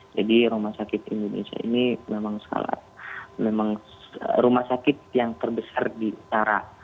jadi rumah sakit indonesia ini memang rumah sakit yang terbesar di utara